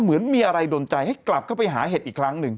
เหมือนมีอะไรโดนใจให้กลับเข้าไปหาเห็ดอีกครั้งหนึ่ง